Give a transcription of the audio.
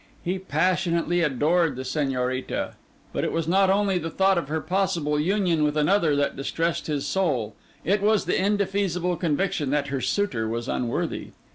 He passionately adored the Señorita; but it was not only the thought of her possible union with another that distressed his soul, it was the indefeasible conviction that her suitor was unworthy.